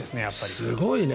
すごいね。